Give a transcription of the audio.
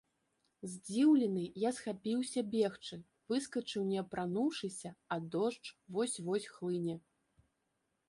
Здзіўлены, я схапіўся бегчы, выскачыў не апрануўшыся, а дождж вось-вось хлыне.